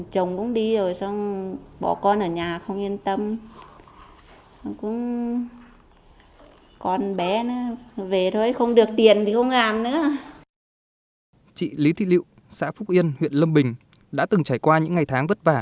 chị lý thị liệu xã phúc yên huyện lâm bình đã từng trải qua những ngày tháng vất vả